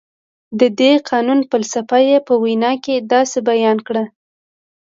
د دې قانون فلسفه یې په وینا کې داسې بیان کړه.